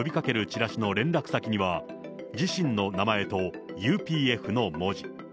チラシの連絡先には、自身の名前とＵＰＦの文字。